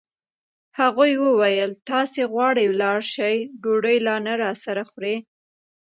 هغې وویل: تاسي غواړئ ولاړ شئ، ډوډۍ لا نه راسره خورئ.